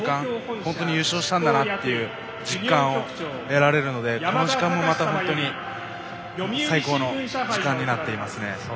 本当に優勝したんだなという実感を得られるのでこの時間もまた、本当に最高の時間になっていますね。